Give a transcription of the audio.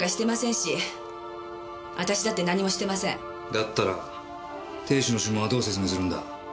だったら亭主の指紋はどう説明するんだ？